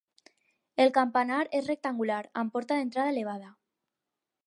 El campanar és rectangular, amb porta d'entrada elevada.